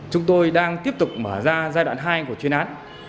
chúng tôi đang tiếp tục mở ra giai đoạn hai của chuyên án